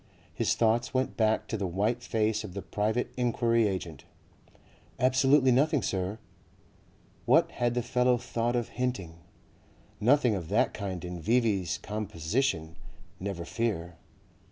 His thoughts went back to the white face of the private enquiry agent. "Absolutely nothing, Sir." What had the fellow thought of hinting? Nothing of that kind in V.V.'s composition, never fear.